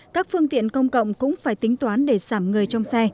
các phương tiện công cộng cũng phải tính toán để sảm người trong xe